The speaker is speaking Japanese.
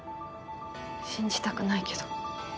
信じたくないけど。